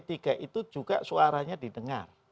di dalam p tiga itu juga suaranya didengar